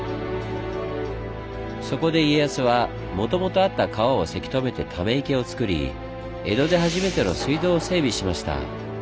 そこで家康はもともとあった川をせき止めて溜池をつくり江戸で初めての水道を整備しました。